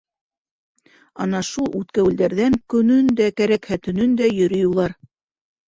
Ана шул үткәүелдәрҙән көнөн дә, кәрәкһә, төнөн дә йөрөй улар.